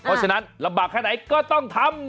เพราะฉะนั้นลำบากแค่ไหนก็ต้องทำ